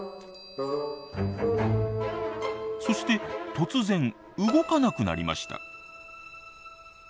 そして突然動かなくなりました。